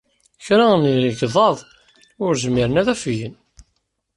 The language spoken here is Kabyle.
Kra n yegḍaḍ ur zmiren ad afgen.